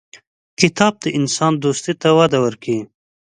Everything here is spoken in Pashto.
کتاب د انسان دوستي ته وده ورکوي.